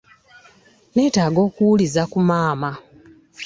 nneetaaga okuwuliza ku maama.